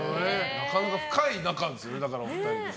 なかなか深い仲ですね、お二人。